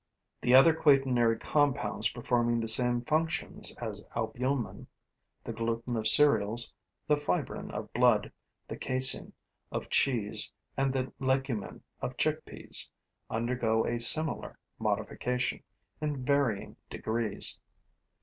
The other quaternary compounds performing the same functions as albumen the gluten of cereals, the fibrin of blood, the casein of cheese and the legumin of chickpeas undergo a similar modification, in varying degrees.